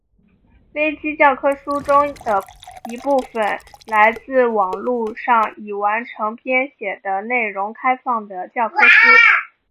维基教科书中一部分书来自网路上已完成编写的内容开放的教科书。